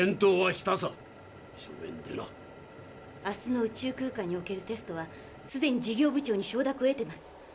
明日の宇宙空間におけるテストはすでに事業部長に承諾を得てます。